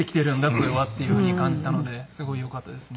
これはっていうふうに感じたのですごいよかったですね